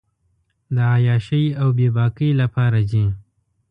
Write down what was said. د عیاشۍ اوبېباکۍ لپاره ځي.